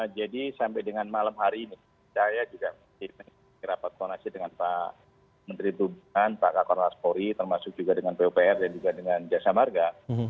jadi sampai dengan malam hari ini saya juga berkira kira berkonasi dengan pak menteri tuguhan pak kak korlantas sporri termasuk juga dengan pupr dan juga dengan jasa marga